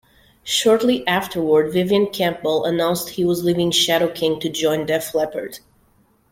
Shortly afterward, Vivian Campbell announced he was leaving Shadow King to join Def Leppard.